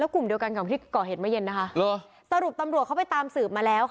แล้วกลุ่มเดียวกันกลับที่เกาะเห็นไม่เย็นนะสรุปตำรวจเขาไปตามสืบมาแล้วค่ะ